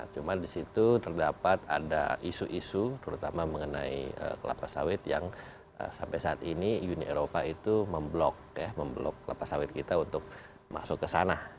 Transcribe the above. cuma di situ terdapat ada isu isu terutama mengenai kelapa sawit yang sampai saat ini uni eropa itu memblok ya memblok kelapa sawit kita untuk masuk ke sana